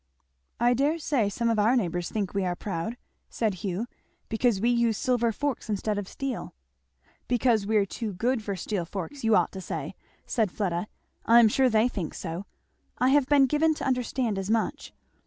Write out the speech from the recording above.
"I dare say some of our neighbours think we are proud," said Hugh, "Because we use silver forks instead of steel." "Because we're too good for steel forks, you ought to say," said Fleda. "I am sure they think so. I have been given to understand as much.